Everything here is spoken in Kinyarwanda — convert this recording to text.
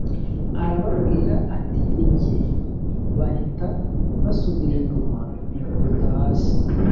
arababwira ati ni jye bahita basubira inyuma bikubita hasi